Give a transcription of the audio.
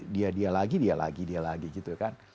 dia dia lagi dia lagi dia lagi gitu kan